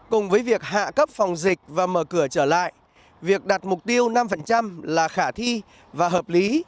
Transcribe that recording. cùng với việc hạ cấp phòng dịch và mở cửa trở lại việc đạt mục tiêu năm là khả thi và hợp lý